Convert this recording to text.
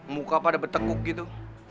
muka pada berteguk gitu